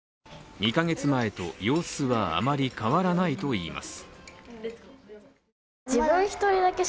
２か月前と様子はあまり変わらないといいます。